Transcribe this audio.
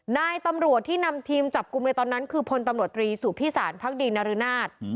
นายตำรวจที่นำทีมจับกลุ่มในตอนนั้นคือพลตำรวจตรีสุพิสารพักดีนรนาศ